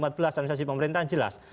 administrasi pemerintahan jelas